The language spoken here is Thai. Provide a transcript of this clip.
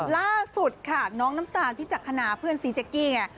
ล่าสุดค่ะน้องน้ำตาลพิจักษณาเพื่อนซีเจ๊กกี้ไง